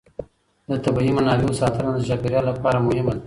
د طبیعي منابعو ساتنه د چاپېر یال لپاره مهمه ده.